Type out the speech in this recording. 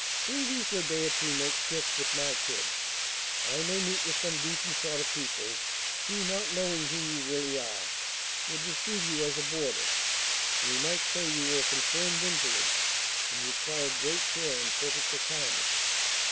Will you, for a day or two, make shift with my crib? I may meet with some decent sort of people, who, not knowing who you really are, would receive you as a boarder; and we might say you were a confirmed invalid, and required great care and perfect retirement.